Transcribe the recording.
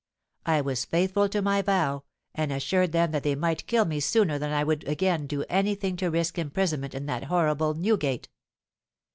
I was faithful to my vow, and assured them that they might kill me sooner than I would again do any thing to risk imprisonment in that horrible Newgate.